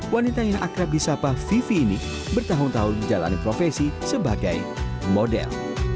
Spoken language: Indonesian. wanita yang akrab di sapa vivi ini bertahun tahun menjalani profesi sebagai model